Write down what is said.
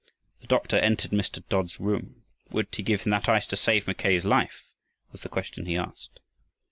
The doctor entered Mr. Dodd's room. Would he give him that ice to save Mackay's life? was the question he asked.